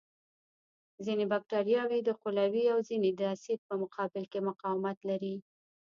ځینې بکټریاوې د قلوي او ځینې د اسید په مقابل کې مقاومت لري.